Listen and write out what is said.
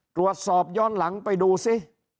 ตรวจสอบย้อนหลังไปดูซิ